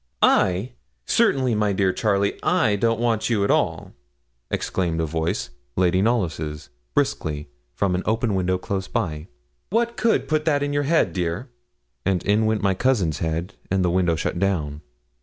'I? certainly, my dear Charlie, I don't want you at all,' exclaimed a voice Lady Knollys's briskly, from an open window close by; 'what could put that in your head, dear?' And in went my cousin's head, and the window shut down.